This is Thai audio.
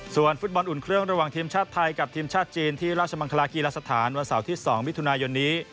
ส่วนฟุตบอลอุ่นเครื่องระหว่างทีมชาติไทยกับทีมชาติจีนที่ราชมังคลากีฬาสถานวันเสาร์ที่๒มิถุนายนนี้